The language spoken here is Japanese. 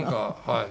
はい。